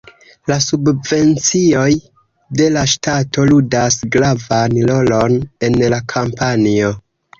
La subvencioj de la ŝtato ludas gravan rolon en la kampanjo.